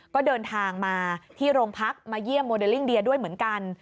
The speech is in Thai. ก็เดินทางมาที่โรงพักมาเยี่ยมโมเดลลิ่งเดียด้วยเหมือนกัน